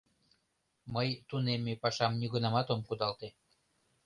Мый тунемме пашам нигунамат ом кудалте.